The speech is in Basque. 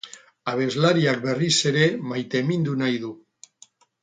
Abeslariak berriz ere maitemindu nahi du.